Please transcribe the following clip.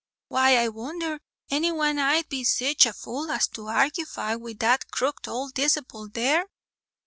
Why, I wondher any one 'id be sitch a fool as to go arguefy with that crooked owld disciple there."